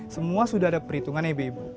semua sudah ada perhitungannya ibu ibu